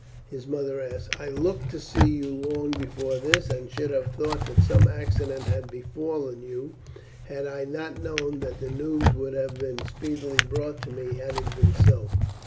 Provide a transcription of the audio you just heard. his mother asked. "I looked to see you long before this, and should have thought that some accident had befallen you had I not known that the news would have been speedily brought me had it been so."